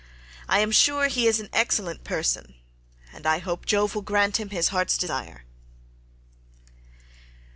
I am sure he is an excellent person, and I hope Jove will grant him his heart's desire."